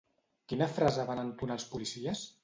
Quina frase van entonar els policies?